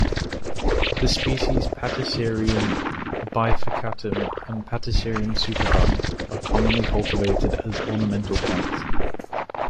The species "Platycerium bifurcatum" and "Platycerium superbum" are commonly cultivated as ornamental plants.